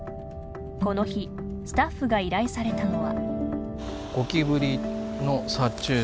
この日スタッフが依頼されたのは。